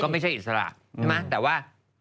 ก็ไม่ใช่อิสระใช่มะแต่ว่า